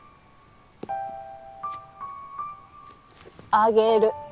あげる。